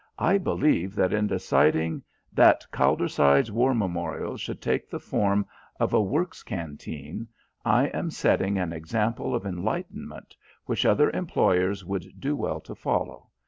I believe that in deciding that Calderside's War Memorial should take the form of a Works Canteen, I am setting an example of enlightenment which other employers would do well to follow.